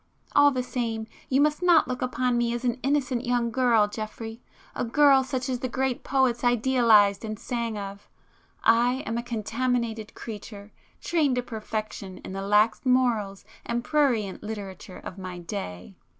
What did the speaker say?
All the same, you must not look upon me as an innocent young girl Geoffrey,—a girl such as the great poets idealized and sang of,—I am a contaminated creature, trained to perfection in the lax morals and prurient literature of my day."